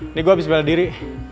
ini gue habis bela diri